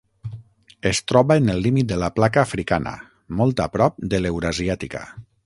Es troba en el límit de la Placa Africana, molt a prop de l'Eurasiàtica.